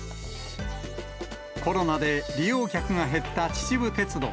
コロナで利用客が減った秩父鉄道。